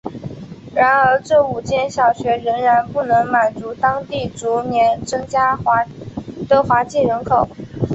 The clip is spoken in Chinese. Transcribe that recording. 然而这五间小学仍然不能满足当地逐年增加的华裔人口。